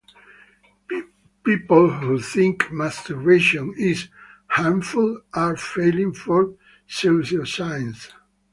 People who think masturbation is harmful are falling for pseudoscience.